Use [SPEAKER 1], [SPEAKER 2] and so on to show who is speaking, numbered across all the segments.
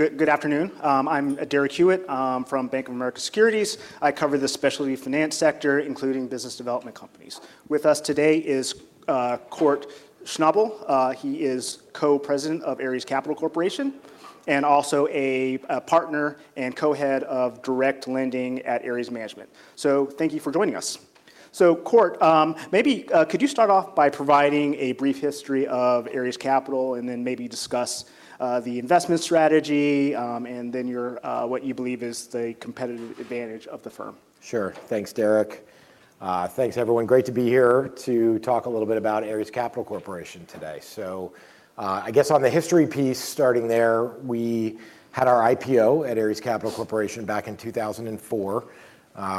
[SPEAKER 1] Good afternoon. I'm Derek Hewett from Bank of America Securities. I cover the specialty finance sector, including business development companies. With us today is Kort Schnabel. He is co-president of Ares Capital Corporation, and also a partner and co-head of direct lending at Ares Management. So, thank you for joining us. So Kort, maybe could you start off by providing a brief history of Ares Capital, and then maybe discuss the investment strategy, and then your what you believe is the competitive advantage of the firm?
[SPEAKER 2] Sure. Thanks, Derek. Thanks, everyone. Great to be here to talk a little bit about Ares Capital Corporation today. So, I guess on the history piece, starting there, we had our IPO at Ares Capital Corporation back in 2004.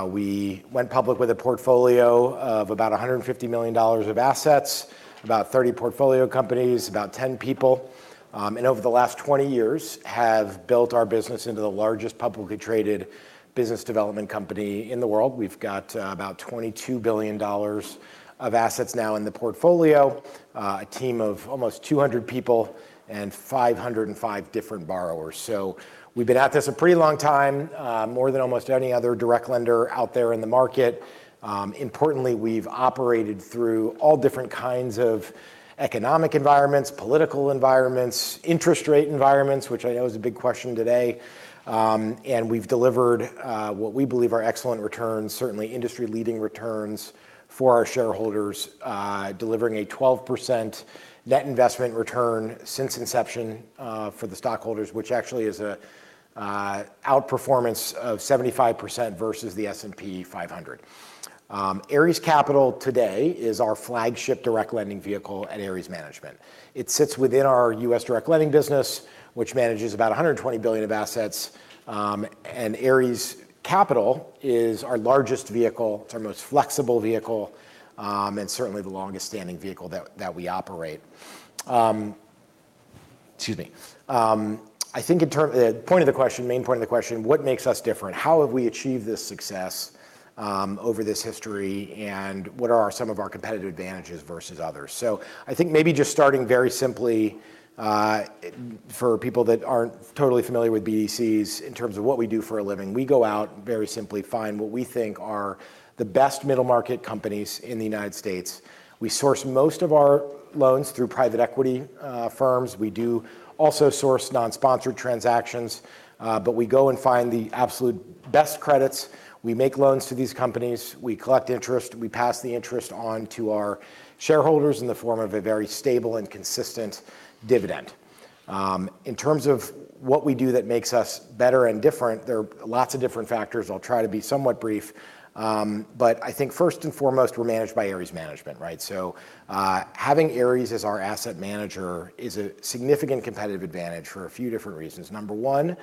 [SPEAKER 2] We went public with a portfolio of about $150 million of assets, about 30 portfolio companies, about 10 people, and over the last 20 years, have built our business into the largest publicly traded business development company in the world. We've got, about $22 billion of assets now in the portfolio, a team of almost 200 people, and 505 different borrowers. So we've been at this a pretty long time, more than almost any other direct lender out there in the market. Importantly, we've operated through all different kinds of economic environments, political environments, interest rate environments, which I know is a big question today, and we've delivered what we believe are excellent returns, certainly industry-leading returns for our shareholders. Delivering a 12% net investment return since inception for the stockholders, which actually is a outperformance of 75% versus the S&P 500. Ares Capital today is our flagship direct lending vehicle at Ares Management. It sits within our U.S. direct lending business, which manages about $120 billion of assets, and Ares Capital is our largest vehicle, it's our most flexible vehicle, and certainly the longest-standing vehicle that we operate. Excuse me. I think the point of the question, main point of the question: what makes us different? How have we achieved this success over this history, and what are some of our competitive advantages versus others? So I think maybe just starting very simply for people that aren't totally familiar with BDCs, in terms of what we do for a living, we go out, very simply find what we think are the best middle-market companies in the United States. We source most of our loans through private equity firms. We do also source non-sponsored transactions, but we go and find the absolute best credits. We make loans to these companies. We collect interest. We pass the interest on to our shareholders in the form of a very stable and consistent dividend. In terms of what we do that makes us better and different, there are lots of different factors. I'll try to be somewhat brief, but I think first and foremost, we're managed by Ares Management, right? So, having Ares as our asset manager is a significant competitive advantage for a few different reasons. Number one,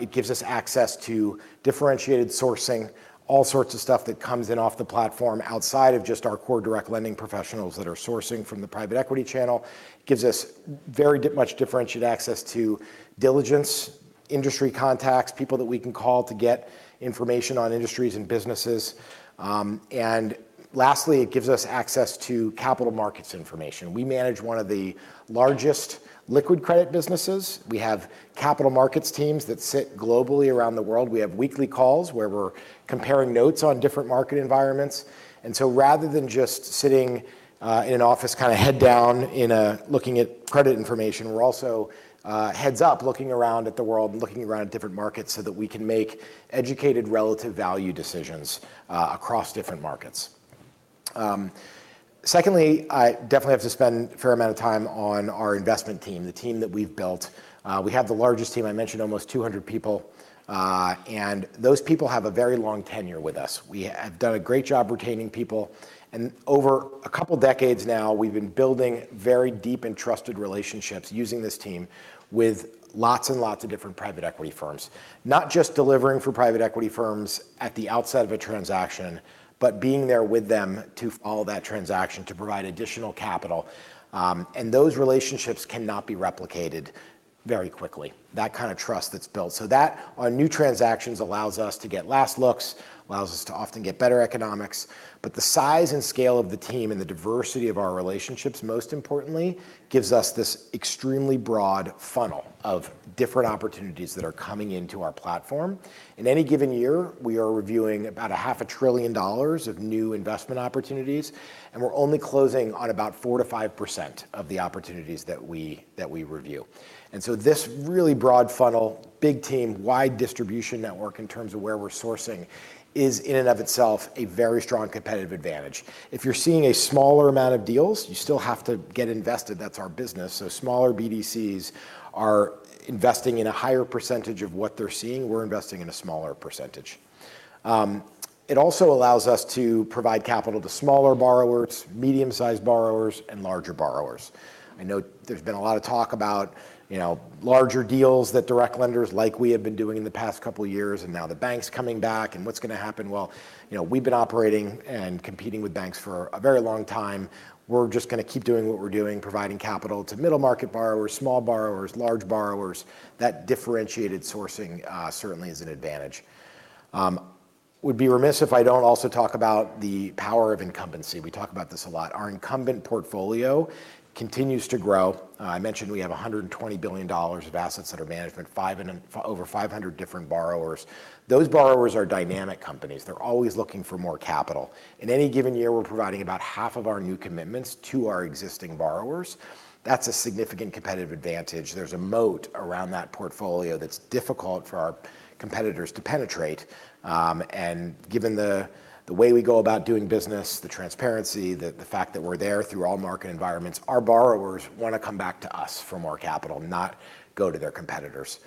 [SPEAKER 2] it gives us access to differentiated sourcing, all sorts of stuff that comes in off the platform outside of just our core direct lending professionals that are sourcing from the private equity channel. Gives us very much differentiated access to diligence, industry contacts, people that we can call to get information on industries and businesses. And lastly, it gives us access to capital markets information. We manage one of the largest liquid credit businesses. We have capital markets teams that sit globally around the world. We have weekly calls where we're comparing notes on different market environments. And so rather than just sitting in an office, kinda head down, looking at credit information, we're also heads up, looking around at the world and looking around at different markets so that we can make educated, relative value decisions across different markets. Secondly, I definitely have to spend a fair amount of time on our investment team, the team that we've built. We have the largest team, I mentioned almost 200 people, and those people have a very long tenure with us. We have done a great job retaining people, and over a couple decades now, we've been building very deep and trusted relationships, using this team, with lots and lots of different private equity firms. Not just delivering for private equity firms at the outset of a transaction, but being there with them to follow that transaction, to provide additional capital, and those relationships cannot be replicated very quickly, that kind of trust that's built. So that, on new transactions, allows us to get last looks, allows us to often get better economics, but the size and scale of the team and the diversity of our relationships, most importantly, gives us this extremely broad funnel of different opportunities that are coming into our platform. In any given year, we are reviewing about $0.5 trillion of new investment opportunities, and we're only closing on about 4% to 5% of the opportunities that we review. So this really broad funnel, big team, wide distribution network, in terms of where we're sourcing, is in and of itself a very strong competitive advantage. If you're seeing a smaller amount of deals, you still have to get invested. That's our business. So smaller BDCs are investing in a higher percentage of what they're seeing. We're investing in a smaller percentage. It also allows us to provide capital to smaller borrowers, medium-sized borrowers, and larger borrowers. I know there's been a lot of talk about, you know, larger deals that direct lenders like we have been doing in the past couple years, and now the banks coming back, and what's gonna happen? Well, you know, we've been operating and competing with banks for a very long time. We're just gonna keep doing what we're doing, providing capital to middle-market borrowers, small borrowers, large borrowers. That differentiated sourcing certainly is an advantage. Would be remiss if I don't also talk about the power of incumbency. We talk about this a lot. Our incumbent portfolio continues to grow. I mentioned we have $120 billion of assets under management, over 500 different borrowers. Those borrowers are dynamic companies. They're always looking for more capital. In any given year, we're providing about half of our new commitments to our existing borrowers. That's a significant competitive advantage. There's a moat around that portfolio that's difficult for our competitors to penetrate. And given the way we go about doing business, the transparency, the fact that we're there through all market environments, our borrowers wanna come back to us for more capital, not go to their competitors.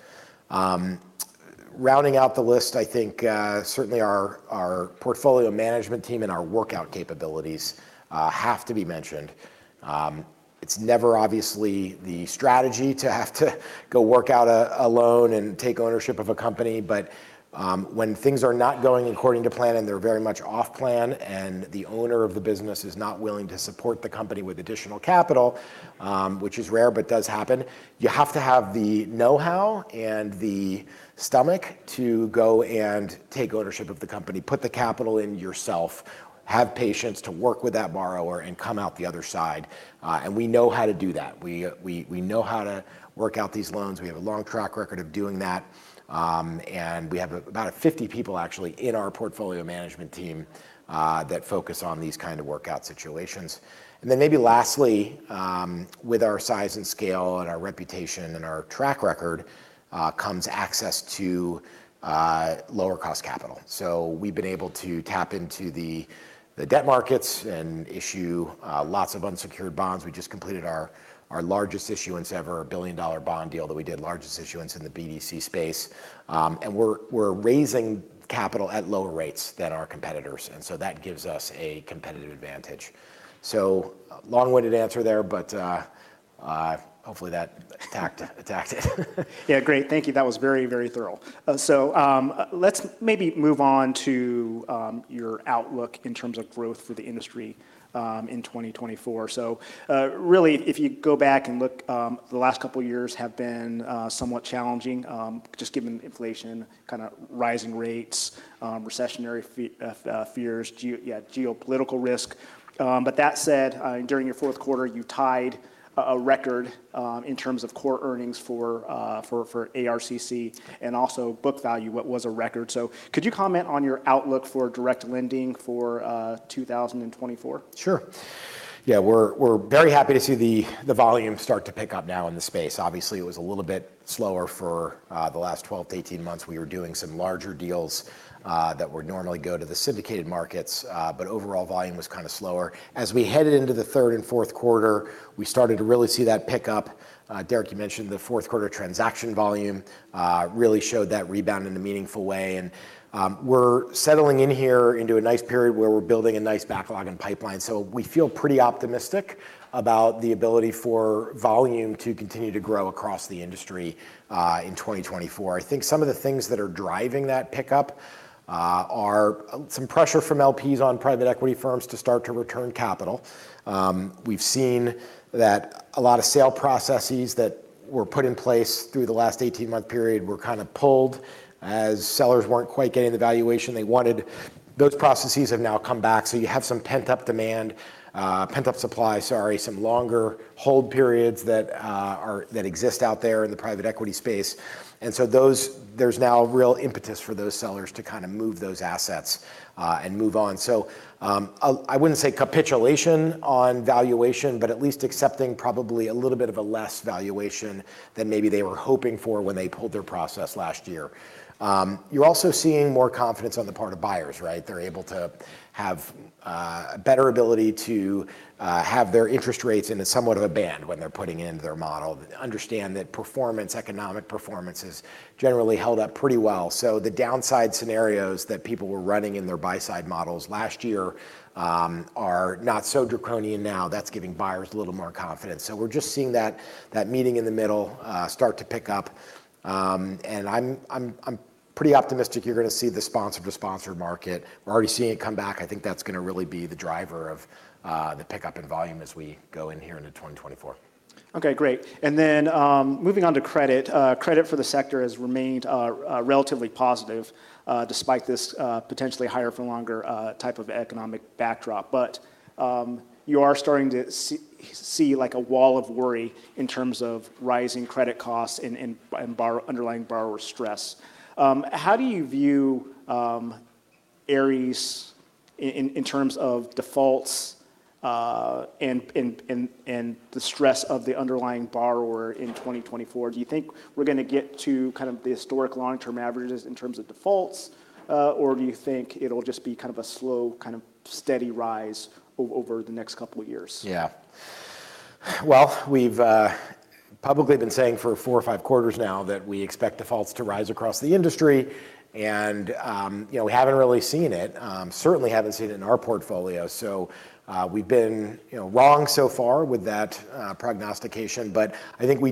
[SPEAKER 2] Rounding out the list, I think, certainly our portfolio management team and our workout capabilities have to be mentioned. It's never obviously the strategy to have to go work out a loan and take ownership of a company, but when things are not going according to plan, and they're very much off plan, and the owner of the business is not willing to support the company with additional capital, which is rare, but does happen, you have to have the know-how and the stomach to go and take ownership of the company, put the capital in yourself, have patience to work with that borrower and come out the other side. And we know how to do that. We know how to work out these loans. We have a long track record of doing that. And we have about 50 people actually in our portfolio management team that focus on these kind of workout situations. And then maybe lastly, with our size and scale and our reputation and our track record, comes access to lower-cost capital. So we've been able to tap into the debt markets and issue lots of unsecured bonds. We just completed our largest issuance ever, a $1 billion bond deal that we did, largest issuance in the BDC space. And we're raising capital at lower rates than our competitors, and so that gives us a competitive advantage. So long-winded answer there, but hopefully that attacked it.
[SPEAKER 1] Yeah, great. Thank you. That was very, very thorough. Let's maybe move on to your outlook in terms of growth for the industry in 2024. So, really, if you go back and look, the last couple of years have been somewhat challenging just given inflation, kinda rising rates, recessionary fears, geopolitical risk. But that said, during your fourth quarter, you tied a record in terms of core earnings for ARCC, and also book value, what was a record? So could you comment on your outlook for direct lending for 2024?
[SPEAKER 2] Sure. Yeah, we're very happy to see the volume start to pick up now in the space. Obviously, it was a little bit slower for the last 12 to 18 months. We were doing some larger deals that would normally go to the syndicated markets, but overall volume was kinda slower. As we headed into the third and fourth quarter, we started to really see that pick up. Derek, you mentioned the fourth quarter transaction volume really showed that rebound in a meaningful way, and we're settling in here into a nice period where we're building a nice backlog and pipeline. So we feel pretty optimistic about the ability for volume to continue to grow across the industry in 2024. I think some of the things that are driving that pickup are some pressure from LPs on private equity firms to start to return capital. We've seen that a lot of sale processes that were put in place through the last 18-month period were kinda pulled, as sellers weren't quite getting the valuation they wanted. Those processes have now come back, so you have some pent-up demand, pent-up supply, sorry, some longer hold periods that exist out there in the private equity space. And so those, there's now a real impetus for those sellers to kinda move those assets and move on. So, I wouldn't say capitulation on valuation, but at least accepting probably a little bit of a less valuation than maybe they were hoping for when they pulled their process last year. You're also seeing more confidence on the part of buyers, right? They're able to have a better ability to have their interest rates in somewhat of a band when they're putting into their model. Understand that performance, economic performance has generally held up pretty well. So the downside scenarios that people were running in their buy-side models last year are not so draconian now. That's giving buyers a little more confidence. So we're just seeing that, that meeting in the middle start to pick up. And I'm pretty optimistic you're gonna see the sponsor-to-sponsor market. We're already seeing it come back. I think that's gonna really be the driver of the pickup in volume as we go in here into 2024.
[SPEAKER 1] Okay, great. And then, moving on to credit. Credit for the sector has remained relatively positive despite this potentially higher for longer type of economic backdrop. But you are starting to see like a wall of worry in terms of rising credit costs and underlying borrower stress. How do you view Ares in terms of defaults and the stress of the underlying borrower in 2024? Do you think we're gonna get to kind of the historic long-term averages in terms of defaults, or do you think it'll just be kind of a slow, kind of steady rise over the next couple of years?
[SPEAKER 2] Yeah. Well, we've publicly been saying for four or five quarters now that we expect defaults to rise across the industry, and, you know, we haven't really seen it, certainly haven't seen it in our portfolio. So, we've been, you know, wrong so far with that, prognostication, but I think we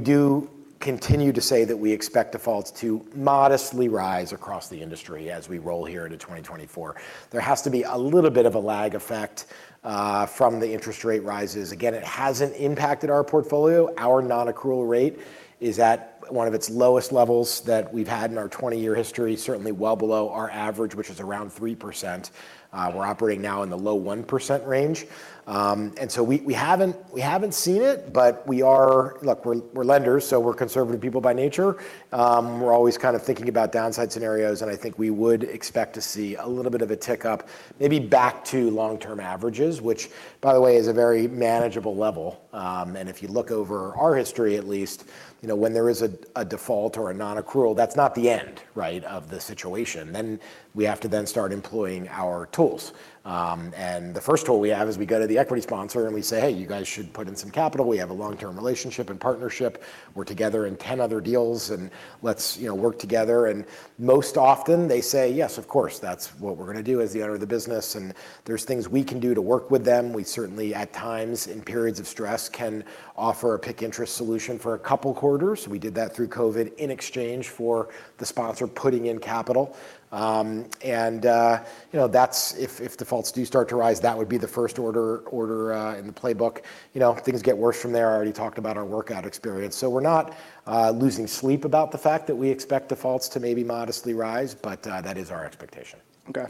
[SPEAKER 2] continue to say that we expect defaults to modestly rise across the industry as we roll here into 2024. There has to be a little bit of a lag effect, from the interest rate rises. Again, it hasn't impacted our portfolio. Our non-accrual rate is at one of its lowest levels that we've had in our 20-year history, certainly well below our average, which is around 3%. We're operating now in the low 1% range. And so we haven't seen it, but look, we're lenders, so we're conservative people by nature. We're always kind of thinking about downside scenarios, and I think we would expect to see a little bit of a tick up, maybe back to long-term averages, which, by the way, is a very manageable level. And if you look over our history, at least, you know, when there is a default or a non-accrual, that's not the end, right, of the situation. Then, we have to then start employing our tools. And the first tool we have is, we go to the equity sponsor and we say, "Hey, you guys should put in some capital. We have a long-term relationship and partnership. We're together in 10 other deals, and let's, you know, work together." And most often they say, "Yes, of course. That's what we're gonna do as the owner of the business." And there's things we can do to work with them. We certainly, at times, in periods of stress, can offer a PIK interest solution for a couple quarters. We did that through COVID, in exchange for the sponsor putting in capital. And, you know, that's if defaults do start to rise, that would be the first order in the playbook. You know, things get worse from there. I already talked about our workout experience. So we're not losing sleep about the fact that we expect defaults to maybe modestly rise, but that is our expectation.
[SPEAKER 1] Okay.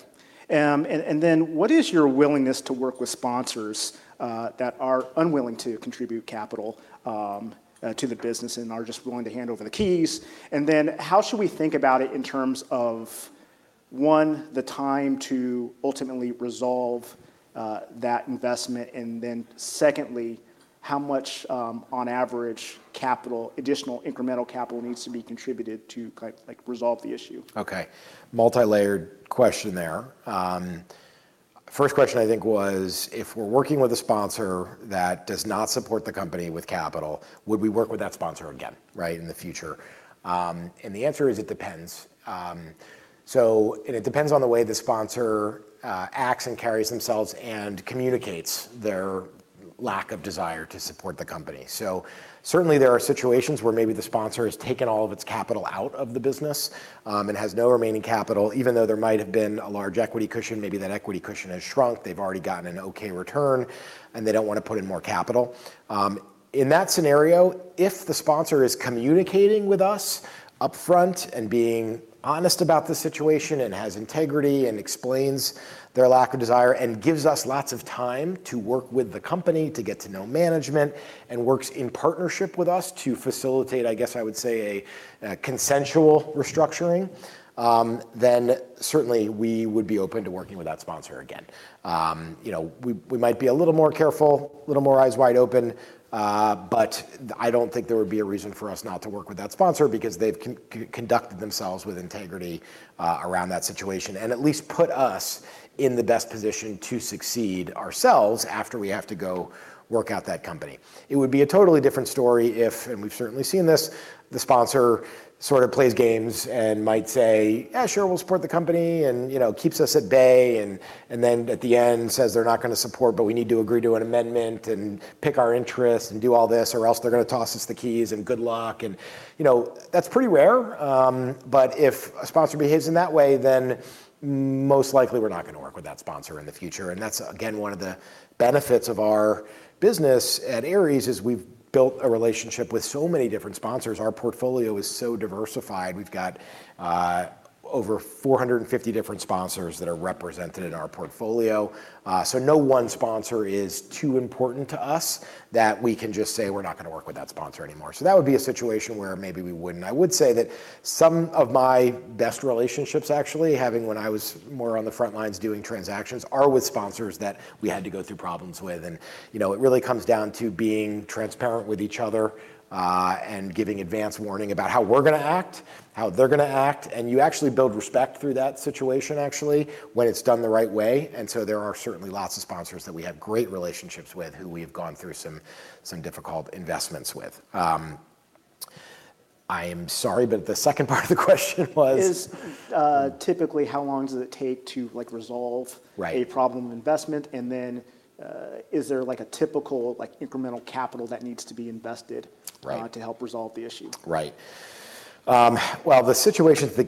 [SPEAKER 1] And then what is your willingness to work with sponsors that are unwilling to contribute capital to the business and are just willing to hand over the keys? And then, how should we think about it in terms of, one, the time to ultimately resolve that investment, and then secondly, how much, on average, capital, additional incremental capital needs to be contributed to, like, resolve the issue?
[SPEAKER 2] Okay, multilayered question there. First question, I think, was, if we're working with a sponsor that does not support the company with capital, would we work with that sponsor again, right, in the future? And the answer is, it depends. So and it depends on the way the sponsor acts and carries themselves, and communicates their lack of desire to support the company. So certainly there are situations where maybe the sponsor has taken all of its capital out of the business, and has no remaining capital, even though there might have been a large equity cushion. Maybe that equity cushion has shrunk. They've already gotten an okay return, and they don't want to put in more capital. In that scenario, if the sponsor is communicating with us upfront and being honest about the situation, and has integrity, and explains their lack of desire, and gives us lots of time to work with the company to get to know management, and works in partnership with us to facilitate, I guess I would say, a consensual restructuring, then certainly we would be open to working with that sponsor again. You know, we might be a little more careful, a little more eyes wide open, but I don't think there would be a reason for us not to work with that sponsor because they've conducted themselves with integrity around that situation, and at least put us in the best position to succeed ourselves after we have to go work out that company. It would be a totally different story if, and we've certainly seen this, the sponsor sort of plays games and might say, "Yeah, sure, we'll support the company," and, you know, keeps us at bay and then at the end, says they're not gonna support, but we need to agree to an amendment, and PIK our interest, and do all this, or else they're gonna toss us the keys, and good luck. And, you know, that's pretty rare, but if a sponsor behaves in that way, then most likely we're not gonna work with that sponsor in the future. And that's, again, one of the benefits of our business at Ares, is we've built a relationship with so many different sponsors. Our portfolio is so diversified. We've got over 450 different sponsors that are represented in our portfolio. So no one sponsor is too important to us that we can just say: We're not gonna work with that sponsor anymore. So that would be a situation where maybe we wouldn't. I would say that some of my best relationships, actually, having when I was more on the front lines doing transactions, are with sponsors that we had to go through problems with. And, you know, it really comes down to being transparent with each other, and giving advance warning about how we're gonna act, how they're gonna act, and you actually build respect through that situation, actually, when it's done the right way. And so there are certainly lots of sponsors that we have great relationships with, who we have gone through some difficult investments with. I am sorry, but the second part of the question was?
[SPEAKER 1] Is typically how long does it take to, like, resolve-
[SPEAKER 2] Right...
[SPEAKER 1] a problem investment? And then, is there, like, a typical, like, incremental capital that needs to be invested-
[SPEAKER 2] Right ...
[SPEAKER 1] to help resolve the issue?
[SPEAKER 2] Right. Well, the situations that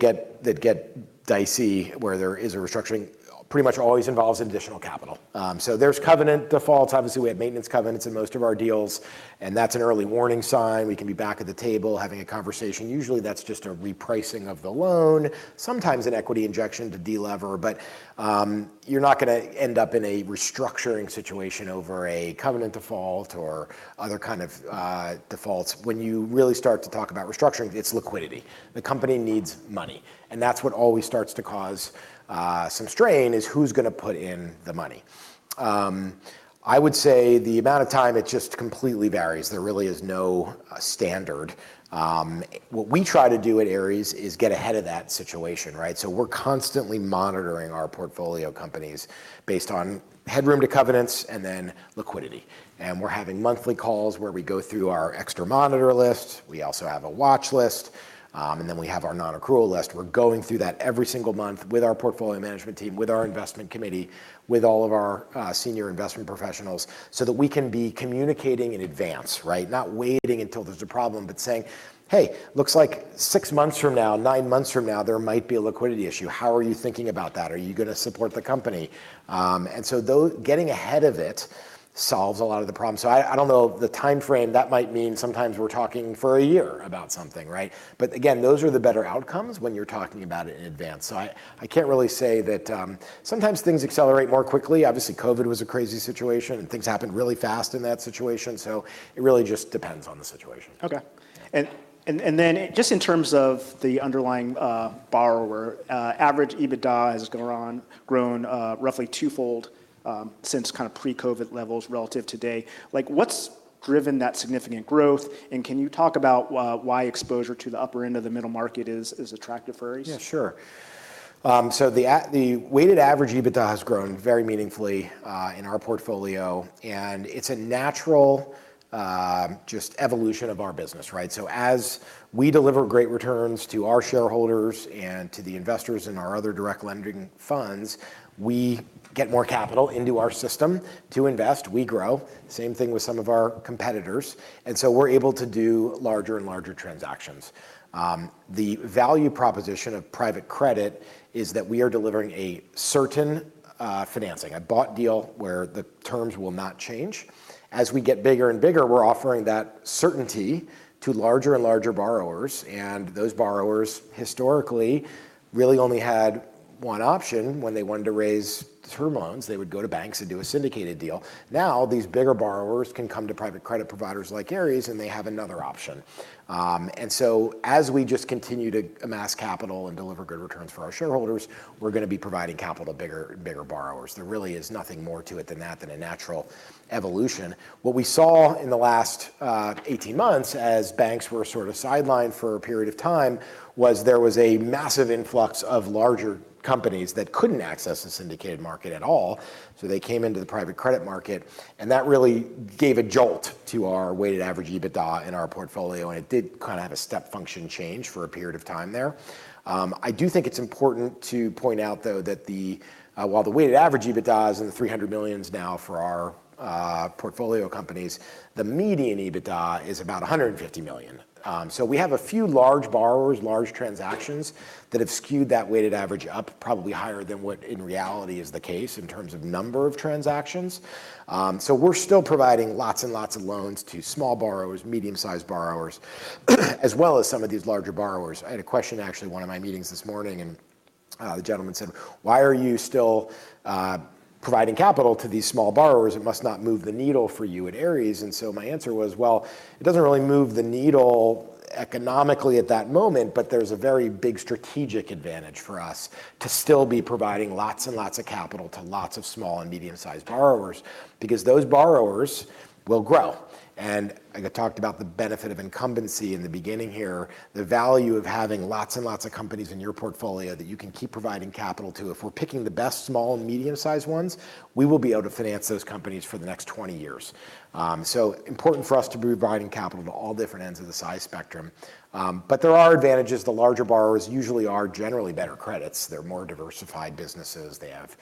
[SPEAKER 2] get dicey, where there is a restructuring, pretty much always involves additional capital. So there's covenant defaults. Obviously, we have maintenance covenants in most of our deals, and that's an early warning sign. We can be back at the table, having a conversation. Usually, that's just a repricing of the loan, sometimes an equity injection to de-lever, but, you're not gonna end up in a restructuring situation over a covenant default or other kind of, defaults. When you really start to talk about restructuring, it's liquidity. The company needs money, and that's what always starts to cause, some strain, is: Who's gonna put in the money? I would say the amount of time, it just completely varies. There really is no, standard. What we try to do at Ares is get ahead of that situation, right? So we're constantly monitoring our portfolio companies based on headroom to covenants and then liquidity, and we're having monthly calls where we go through our extra monitor list. We also have a watch list, and then we have our non-accrual list. We're going through that every single month with our portfolio management team, with our investment committee, with all of our senior investment professionals, so that we can be communicating in advance, right? Not waiting until there's a problem, but saying, "Hey, looks like six months from now, nine months from now, there might be a liquidity issue. How are you thinking about that? Are you gonna support the company?" And so getting ahead of it solves a lot of the problems. So I don't know the timeframe. That might mean sometimes we're talking for a year about something, right? But again, those are the better outcomes when you're talking about it in advance. So I can't really say that... Sometimes things accelerate more quickly. Obviously, COVID was a crazy situation, and things happened really fast in that situation. So it really just depends on the situation.
[SPEAKER 1] Okay, and then just in terms of the underlying borrower average EBITDA has grown roughly twofold since kind of pre-COVID levels relative today. Like, what's driven that significant growth? And can you talk about why exposure to the upper end of the middle market is attractive for Ares?
[SPEAKER 2] Yeah, sure. So the weighted average EBITDA has grown very meaningfully in our portfolio, and it's a natural just evolution of our business, right? So as we deliver great returns to our shareholders and to the investors in our other direct lending funds, we get more capital into our system to invest, we grow. Same thing with some of our competitors. And so we're able to do larger and larger transactions. The value proposition of private credit is that we are delivering a certain financing, a bought deal, where the terms will not change. As we get bigger and bigger, we're offering that certainty to larger and larger borrowers, and those borrowers historically really only had one option when they wanted to raise term loans, they would go to banks and do a syndicated deal. Now, these bigger borrowers can come to private credit providers like Ares, and they have another option. And so as we just continue to amass capital and deliver good returns for our shareholders, we're gonna be providing capital to bigger, bigger borrowers. There really is nothing more to it than that, than a natural evolution. What we saw in the last 18 months, as banks were sort of sidelined for a period of time, was there was a massive influx of larger companies that couldn't access the syndicated market at all. So they came into the private credit market, and that really gave a jolt to our weighted average EBITDA in our portfolio, and it did kind of have a step function change for a period of time there. I do think it's important to point out, though, that while the weighted average EBITDA is in the $300 million now for our portfolio companies, the median EBITDA is about $150 million. So we have a few large borrowers, large transactions, that have skewed that weighted average up, probably higher than what in reality is the case in terms of number of transactions. So we're still providing lots and lots of loans to small borrowers, medium-sized borrowers, as well as some of these larger borrowers. I had a question, actually, in one of my meetings this morning, and the gentleman said: "Why are you still providing capital to these small borrowers? It must not move the needle for you at Ares." And so my answer was, "Well, it doesn't really move the needle economically at that moment, but there's a very big strategic advantage for us to still be providing lots and lots of capital to lots of small and medium-sized borrowers, because those borrowers will grow." And I talked about the benefit of incumbency in the beginning here, the value of having lots and lots of companies in your portfolio that you can keep providing capital to. If we're picking the best small and medium-sized ones, we will be able to finance those companies for the next 20 years. So important for us to be providing capital to all different ends of the size spectrum. But there are advantages. The larger borrowers usually are generally better credits. They're more diversified businesses. They have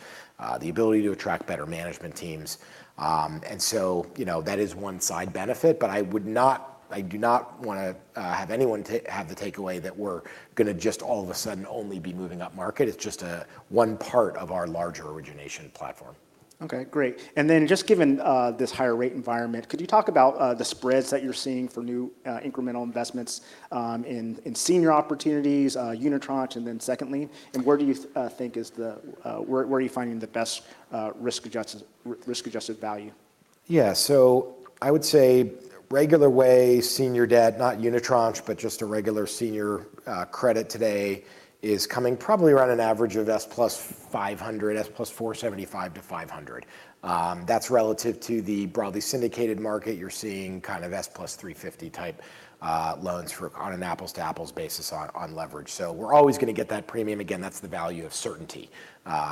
[SPEAKER 2] the ability to attract better management teams. And so, you know, that is one side benefit, but I do not wanna have anyone have the takeaway that we're gonna just all of a sudden only be moving up market. It's just one part of our larger origination platform.
[SPEAKER 1] Okay, great. And then just given this higher rate environment, could you talk about the spreads that you're seeing for new incremental investments in senior opportunities, unitranche, and then second lien? And where do you think is the... Where are you finding the best risk-adjusted value?
[SPEAKER 2] Yeah, so I would say regular way, senior debt, not unitranche, but just a regular senior, credit today is coming probably around an average of SOFR + 500, SOFR + 475 to 500. That's relative to the broadly syndicated market. You're seeing kind of SOFR + 350 type loans on an apples-to-apples basis on, on leverage. So we're always gonna get that premium. Again, that's the value of certainty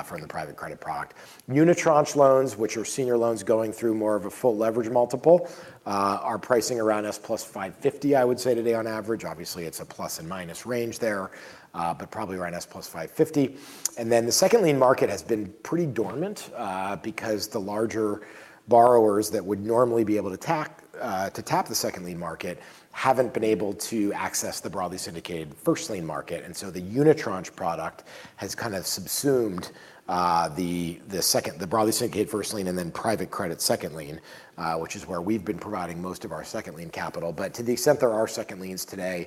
[SPEAKER 2] for the private credit product. Unitranche loans, which are senior loans going through more of a full leverage multiple, are pricing around SOFR + 550, I would say, today on average. Obviously, it's a plus and minus range there, but probably around SOFR + 550. And then the second lien market has been pretty dormant, because the larger borrowers that would normally be able to tap the second lien market haven't been able to access the broadly syndicated first lien market. And so the unitranche product has kind of subsumed the broadly syndicated first lien, and then private credit second lien, which is where we've been providing most of our second lien capital. But to the extent there are second liens today,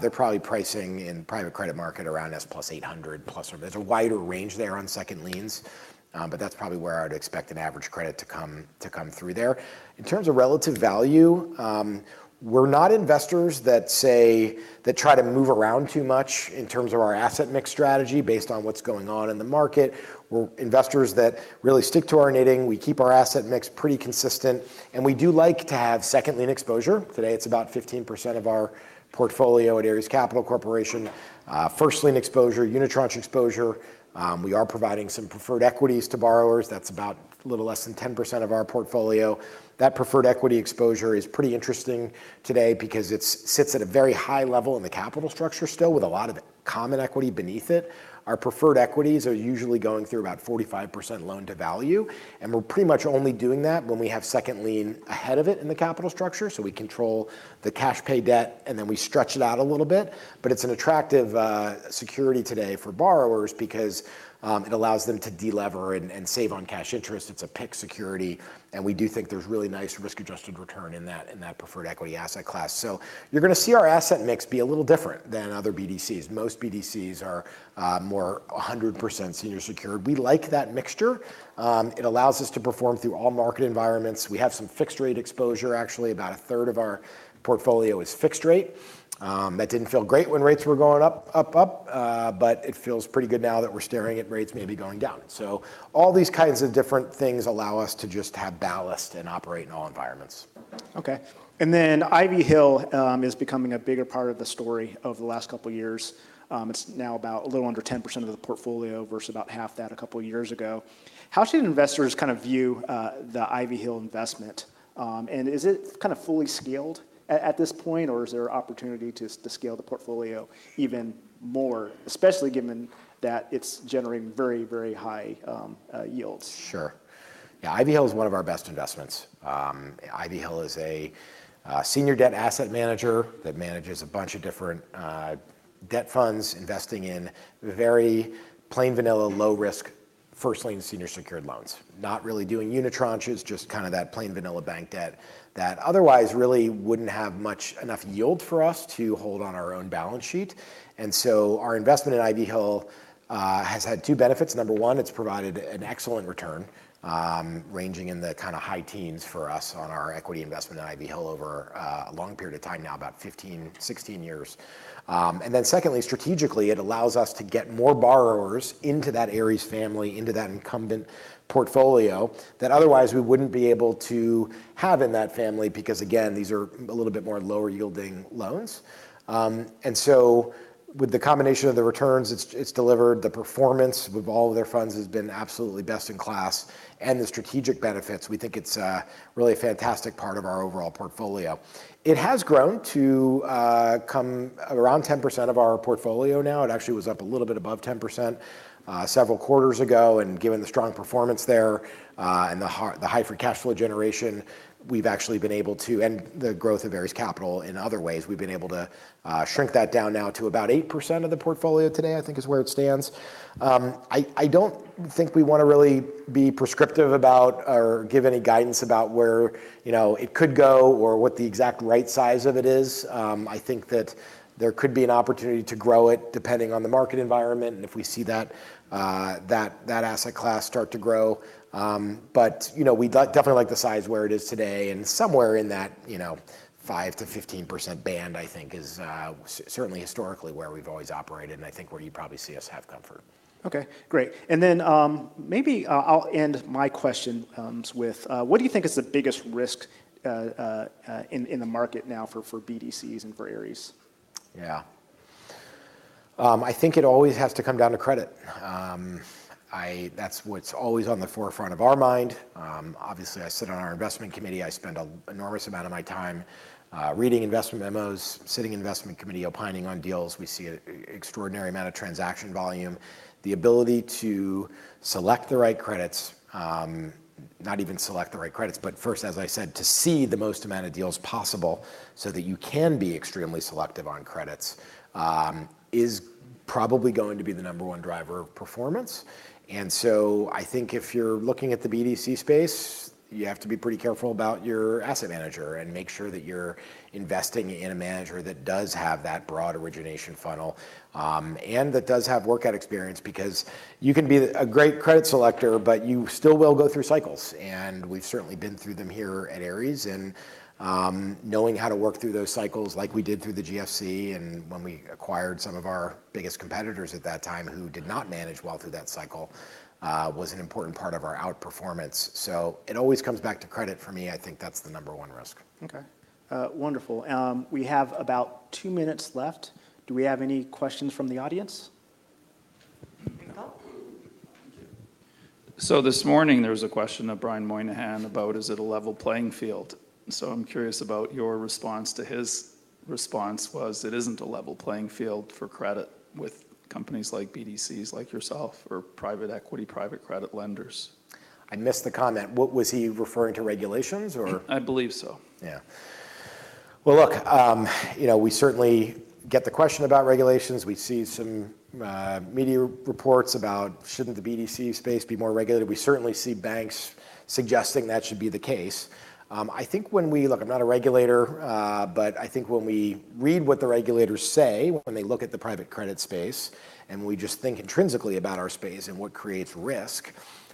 [SPEAKER 2] they're probably pricing in private credit market around SOFR + 800, plus or... There's a wider range there on second liens, but that's probably where I'd expect an average credit to come through there. In terms of relative value, we're not investors that try to move around too much in terms of our asset mix strategy, based on what's going on in the market. We're investors that really stick to our knitting. We keep our asset mix pretty consistent, and we do like to have second lien exposure. Today, it's about 15% of our portfolio at Ares Capital Corporation. first lien exposure, unitranche exposure, we are providing some preferred equities to borrowers. That's about a little less than 10% of our portfolio. That preferred equity exposure is pretty interesting today because it sits at a very high level in the capital structure still, with a lot of common equity beneath it. Our preferred equities are usually going through about 45% loan-to-value, and we're pretty much only doing that when we have second lien ahead of it in the capital structure, so we control the cash pay debt, and then we stretch it out a little bit. But it's an attractive security today for borrowers because it allows them to de-lever and, and save on cash interest. It's a PIK security, and we do think there's really nice risk-adjusted return in that, in that Preferred Equity asset class. So you're gonna see our asset mix be a little different than other BDCs. Most BDCs are more 100% senior secured. We like that mixture. It allows us to perform through all market environments. We have some fixed rate exposure. Actually, about a third of our portfolio is fixed rate. That didn't feel great when rates were going up, up, up, but it feels pretty good now that we're staring at rates maybe going down. So all these kinds of different things allow us to just have ballast and operate in all environments.
[SPEAKER 1] Okay, and then Ivy Hill is becoming a bigger part of the story over the last couple years. It's now about a little under 10% of the portfolio versus about half that a couple of years ago. How should investors kind of view the Ivy Hill investment? And is it kind of fully scaled at this point, or is there opportunity to scale the portfolio even more, especially given that it's generating very, very high yields?
[SPEAKER 2] Sure. Yeah, Ivy Hill is one of our best investments. Ivy Hill is a senior debt asset manager that manages a bunch of different debt funds, investing in very plain vanilla, low risk, first lien, senior secured loans. Not really doing unitranches, just kind of that plain vanilla bank debt, that otherwise really wouldn't have enough yield for us to hold on our own balance sheet. And so our investment in Ivy Hill has had two benefits. Number one, it's provided an excellent return, ranging in the kind of high teens for us on our equity investment in Ivy Hill over a long period of time now, about 15, 16 years. And then secondly, strategically, it allows us to get more borrowers into that Ares family, into that incumbent portfolio, that otherwise we wouldn't be able to have in that family, because, again, these are a little bit more lower yielding loans. And so with the combination of the returns, it's delivered the performance with all of their funds has been absolutely best in class, and the strategic benefits, we think it's really a fantastic part of our overall portfolio. It has grown to come around 10% of our portfolio now. It actually was up a little bit above 10%, several quarters ago, and given the strong performance there, and the high for cash flow generation, we've actually been able to... The growth of Ares Capital in other ways, we've been able to shrink that down now to about 8% of the portfolio today, I think is where it stands. I don't think we wanna really be prescriptive about or give any guidance about where, you know, it could go or what the exact right size of it is. I think that there could be an opportunity to grow it, depending on the market environment, and if we see that, that asset class start to grow. But, you know, we definitely like the size where it is today, and somewhere in that, you know, 5% to 15% band, I think, is certainly historically, where we've always operated, and I think where you probably see us have comfort.
[SPEAKER 1] Okay, great. And then, maybe, I'll end my question with what do you think is the biggest risk in the market now for BDCs and for Ares?
[SPEAKER 2] Yeah. I think it always has to come down to credit. That's what's always on the forefront of our mind. Obviously, I sit on our investment committee. I spend an enormous amount of my time, reading investment memos, sitting in investment committee, opining on deals. We see an extraordinary amount of transaction volume. The ability to select the right credits, not even select the right credits, but first, as I said, to see the most amount of deals possible so that you can be extremely selective on credits, is probably going to be the number one driver of performance. And so, I think if you're looking at the BDC space, you have to be pretty careful about your asset manager, and make sure that you're investing in a manager that does have that broad origination funnel. That does have workout experience, because you can be a great credit selector, but you still will go through cycles, and we've certainly been through them here at Ares, and knowing how to work through those cycles, like we did through the GFC, and when we acquired some of our biggest competitors at that time, who did not manage well through that cycle, was an important part of our outperformance. So it always comes back to credit for me. I think that's the number one risk.
[SPEAKER 1] Okay. Wonderful. We have about two minutes left. Do we have any questions from the audience?
[SPEAKER 3] So this morning, there was a question of Brian Moynihan about, "Is it a level playing field?" So I'm curious about your response to his response, was, "It isn't a level playing field for credit with companies like BDCs, like yourself, or private equity, private credit lenders.
[SPEAKER 2] I missed the comment. What was he referring to, regulations or-
[SPEAKER 3] I believe so.
[SPEAKER 2] Yeah. Well, look, you know, we certainly get the question about regulations. We see some media reports about, shouldn't the BDC space be more regulated? We certainly see banks suggesting that should be the case. I think when we... Look, I'm not a regulator, but I think when we read what the regulators say, when they look at the private credit space, and we just think intrinsically about our space and what creates risk,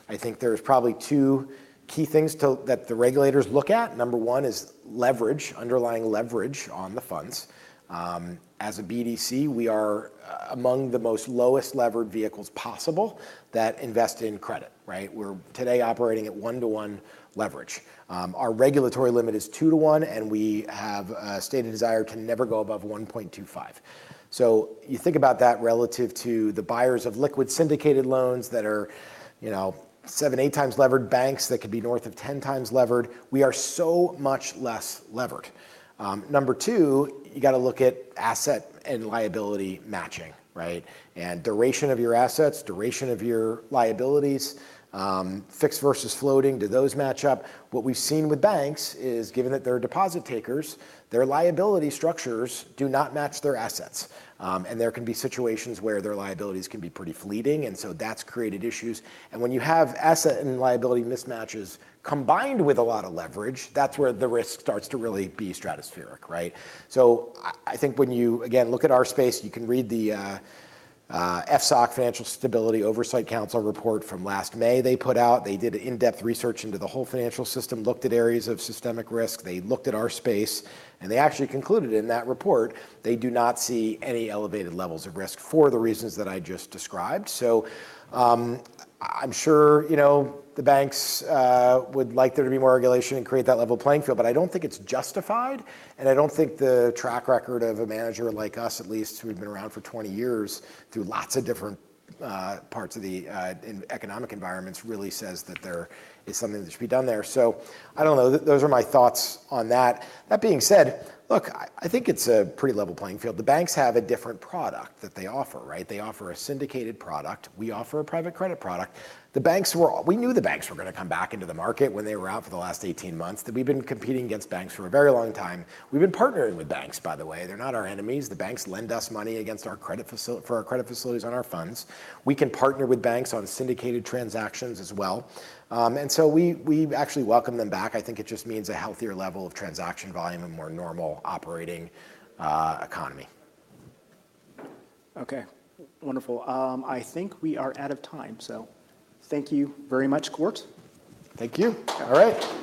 [SPEAKER 2] I think there's probably two key things that the regulators look at. Number one is leverage, underlying leverage on the funds. As a BDC, we are among the most lowest levered vehicles possible that invest in credit, right? We're today operating at one-to-one leverage. Our regulatory limit is two-to-one, and we have stated a desire to never go above 1.25. So you think about that relative to the buyers of liquid syndicated loans that are, you know, seve, eight times levered, banks that could be north of 10 times levered. We are so much less levered. Number two, you gotta look at asset and liability matching, right? And duration of your assets, duration of your liabilities, fixed versus floating. Do those match up? What we've seen with banks is, given that they're deposit takers, their liability structures do not match their assets. And there can be situations where their liabilities can be pretty fleeting, and so that's created issues, and when you have asset and liability mismatches, combined with a lot of leverage, that's where the risk starts to really be stratospheric, right? So I think when you again look at our space, you can read the FSOC, Financial Stability Oversight Council report from last May they put out. They did an in-depth research into the whole financial system, looked at areas of systemic risk, they looked at our space, and they actually concluded in that report, they do not see any elevated levels of risk for the reasons that I just described. So I'm sure, you know, the banks would like there to be more regulation and create that level playing field, but I don't think it's justified, and I don't think the track record of a manager like us, at least, who had been around for 20 years, through lots of different parts of the economic environments, really says that there is something that should be done there. So I don't know. Those are my thoughts on that. That being said, look, I think it's a pretty level playing field. The banks have a different product that they offer, right? They offer a syndicated product. We offer a private credit product. We knew the banks were gonna come back into the market when they were out for the last 18 months, that we've been competing against banks for a very long time. We've been partnering with banks, by the way. They're not our enemies. The banks lend us money against our credit facilities for our funds. We can partner with banks on syndicated transactions as well. And so we've actually welcome them back. I think it just means a healthier level of transaction volume, a more normal operating economy.
[SPEAKER 1] Okay, wonderful. I think we are out of time, so thank you very much, Kort.
[SPEAKER 2] Thank you. All right.